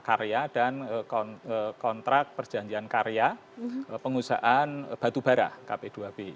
karya dan kontrak perjanjian karya pengusahaan batubara kp dua b